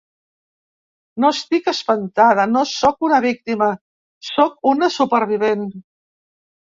No estic espantada, no sóc una víctima, sóc una supervivent.